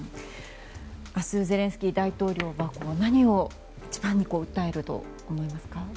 明日ゼレンスキー大統領は何を一番に訴えると思いますか。